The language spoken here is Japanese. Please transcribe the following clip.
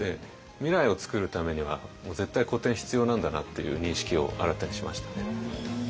未来を作るためには絶対古典必要なんだなっていう認識を新たにしましたね。